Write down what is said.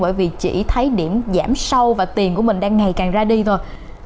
bởi vì chỉ thấy điểm giảm sâu và tiền của mình đang ngày càng ra đi thôi